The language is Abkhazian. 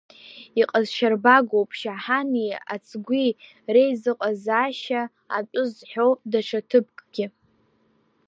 Иҟазшьарбагоуп Шьаҳани ацгәи реизыҟазаашьа атәы зҳәо даҽа ҭыԥкгьы.